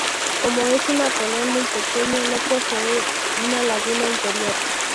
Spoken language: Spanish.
Como es un atolón muy pequeño, no posee una laguna interior.